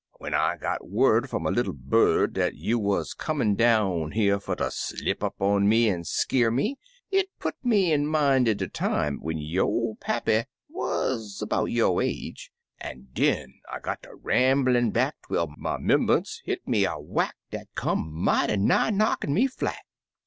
When I got word fmn a little bird dat you wuz comin' down here fer ter slip up on me an' skeer me, it put me in min' er de time when yo* pappy wuz 'bout yo' age; an' den I got ter ramblin' back twel my 'membunce hit me a whack dat come mighty nigh knockin' me flat.